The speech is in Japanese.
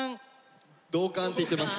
「同感」って言ってます。